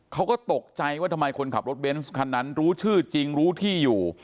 เขาก็ตกใจว่าทำไมคนขับรถเบนส์คันนั้นรู้ชื่อจริงรู้ที่อยู่